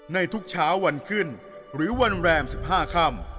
ในทุกเช้าวันขึ้นหรือวันแรม๑๕ค่ำ